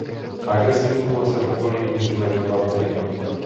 Agresivitu ve svém okolí můžeme vnímat denně.